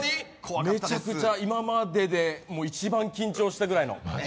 めちゃくちゃ、今までで一番緊張したぐらいの。